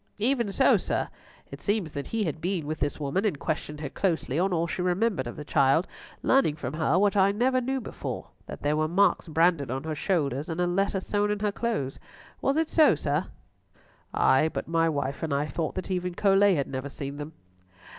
"Even so, sir. It seems that he had been with this woman, and questioned her closely on all she remembered of the child, learning from her what I never knew before, that there were marks branded on her shoulders and a letter sewn in her clothes. Was it so, sir?" "Ay, but my wife and I thought that even Colet had never seen them."